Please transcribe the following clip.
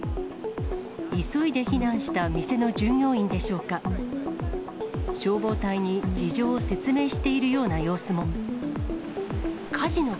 急いで避難した店の従業員でしょうか、消防隊に事情を説明しているような様子も。